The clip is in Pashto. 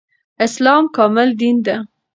اسلام کامل دين ده